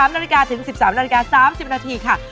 ๑๓นาทีกาถึง๑๓นาทีกา๓๐นาทีค่ะ